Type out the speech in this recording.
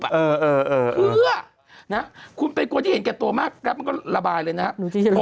เพื่อนะคุณเป็นคนที่เห็นแก่ตัวมากแกรปมันก็ระบายเลยนะครับ